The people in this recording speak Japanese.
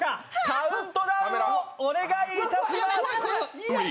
カウントダウンをお願いいたします。